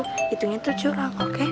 hitungnya tercurang oke